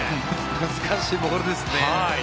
難しいボールですね。